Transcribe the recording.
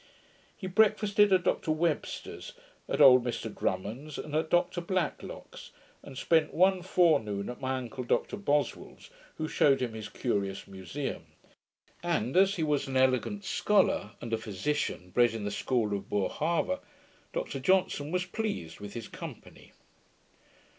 He breakfasted at Dr Webster's, at old Mr Drummond's, and at Dr Blacklock's; and spent one forenoon at my uncle Dr Boswell's, who shewed him his curious museum; and, as he was an elegant scholar, and a physician bred in the school of Boerhaave, Dr Johnson was pleased with his company.